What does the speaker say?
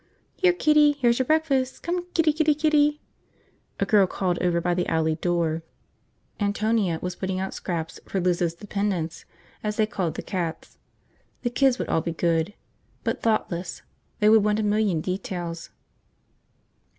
"Here, kitty, here's your breakfast, come kitty kitty kitty!" a girl called over by the alley door. Antonia was putting out scraps for Liz's dependents, as they called the cats. The kids would all be good. But thoughtless. They would want a million details.